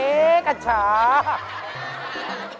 เหปาตะเกะเหปาตะเกะ